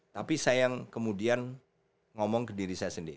tapi saya yang kemudian ngomong ke diri saya sendiri